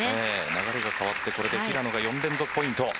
流れが変わってこれで平野が４連続ポイント。